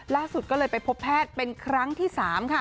ล่าสุดก็เลยไปพบแพทย์เป็นครั้งที่๓ค่ะ